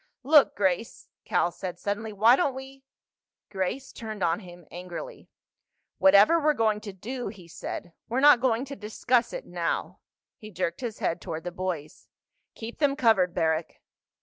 "Look, Grace," Cal said suddenly, "why don't we—?" Grace turned on him angrily. "Whatever we're going to do," he said, "we're not going to discuss it now." He jerked his head toward the boys. "Keep them covered, Barrack."